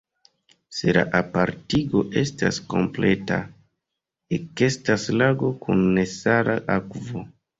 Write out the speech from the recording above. Se la apartigo estas kompleta, ekestas lago kun nesala akvo.